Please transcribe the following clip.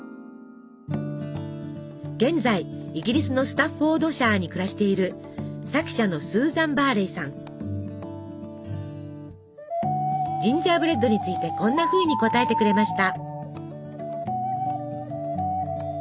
現在イギリスのスタッフォードシャーに暮らしているジンジャーブレッドについてこんなふうに答えてくれました。